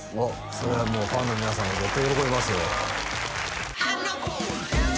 それはファンの皆さんも絶対喜びますよ